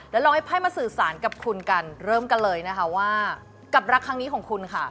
แล้วลองให้ไพ่มาสื่อสารกับคุณกันเริ่มกันเลยนะคะว่ากับรักครั้งนี้ของคุณค่ะ